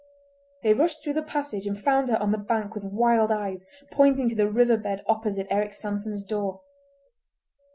They rushed through the passage and found her on the bank with wild eyes, pointing to the river bed opposite Eric Sanson's door.